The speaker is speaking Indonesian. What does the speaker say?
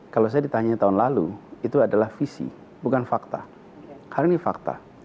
kalau saya ditanya tahun lalu itu adalah visi bukan fakta karena ini fakta